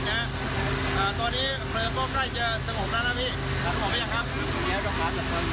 เนี้ยอ่าตอนนี้เผลอโป้งใคร่เจอสักหกระนะพี่แต่ฟอร์เปลี้ยงครับ